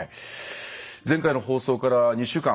前回の放送から２週間。